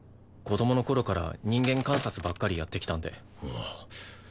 子供の頃から人間観察ばっかりやってきたんで。